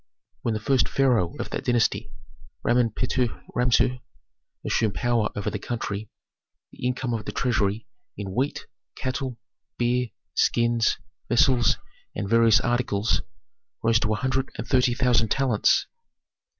"When the first pharaoh of that dynasty, Ramen Pehuti Ramessu, assumed power over the country, the income of the treasury in wheat, cattle, beer, skins, vessels, and various articles rose to a hundred and thirty thousand talents.